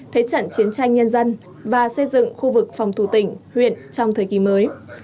thế trận chiến tranh nhân dân và xây dựng khu vực phòng thủ tỉnh huyện trong thời kỳ mới